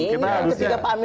ini harus ada pihak lain lagi